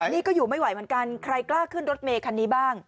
นี่ก็อยู่ไม่ไหวเหมือนกันใครกล้าขึ้นรถเมคันนี้บ้าง